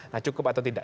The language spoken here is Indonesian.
nah cukup atau tidak